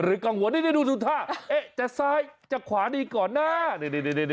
เอ๊ะจะซ้ายจะขวานี่ก่อนนะ